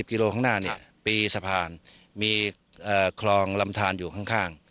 กิโลข้างหน้าปีสะพานมีคลองลำทานอยู่ข้าง